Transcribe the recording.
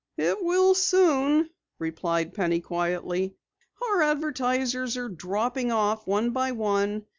"It will soon," replied Penny quietly. "Our advertisers are dropping off one by one.